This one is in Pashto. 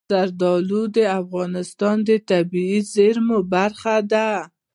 زردالو د افغانستان د طبیعي زیرمو برخه ده.